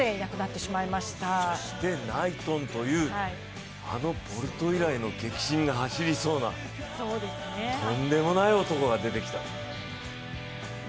そしてナイトンというあのボルト以来の激震が走りそうなとんでもない男が出てきた。